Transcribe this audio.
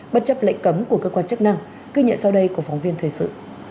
bất chấp lệnh cấm của cơ quan chức năng ghi nhận sau đây của phóng viên thời sự